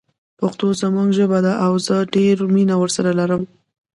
پښتو زموږ ژبه ده او زه ډیره مینه ورسره لرم